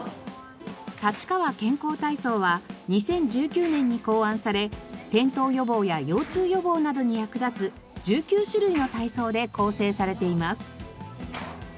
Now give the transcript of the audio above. たちかわ健康体操は２０１９年に考案され転倒予防や腰痛予防などに役立つ１９種類の体操で構成されています。